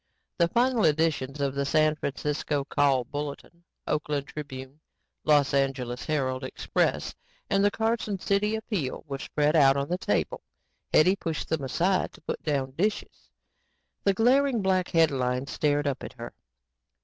The final editions of the San Francisco Call Bulletin, Oakland Tribune, Los Angeles Herald Express and the Carson City Appeal were spread out on the table. Hetty pushed them aside to put down dishes. The glaring black headlines stared up at her.